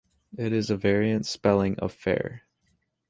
It is a variant spelling of fair.